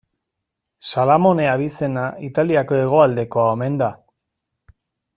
Salamone abizena Italiako hegoaldekoa omen da.